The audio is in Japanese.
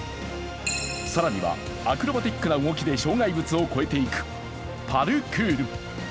更にはアクロバティックな動きで障害物を越えていくパルクール。